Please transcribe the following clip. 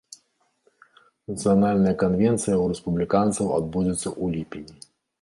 Нацыянальная канвенцыя ў рэспубліканцаў адбудзецца ў ліпені.